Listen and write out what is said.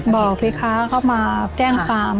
บอกสิคะเขามาแจ้งความ